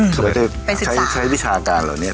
เข้าไปไปศึกษาค่ะใช้วิชาการเหล่านี่